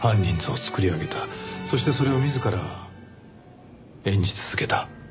そしてそれを自ら演じ続けた。